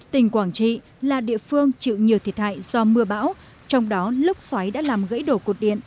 tỉnh quảng trị là địa phương chịu nhiều thiệt hại do mưa bão trong đó lốc xoáy đã làm gãy đổ cột điện